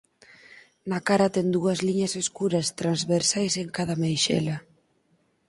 Na cara ten dúas liñas escuras transversais en cada meixela.